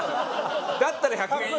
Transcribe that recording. だったら１００円以下。